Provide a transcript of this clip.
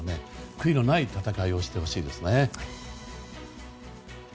悔いのない戦いをしてほしいですね。